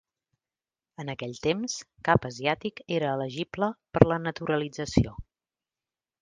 En aquell temps, cap asiàtic era elegible per la naturalització.